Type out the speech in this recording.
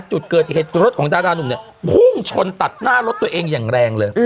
จุดเกิดเหตุรถของดารานุ่มเนี่ยพุ่งชนตัดหน้ารถตัวเองอย่างแรงเลย